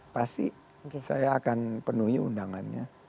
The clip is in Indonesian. pasti saya akan penuhi undangannya